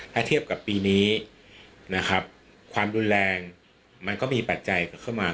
ถ้าเทียบกับปีนี้นะครับความรุนแรงมันก็มีปัจจัยเข้ามา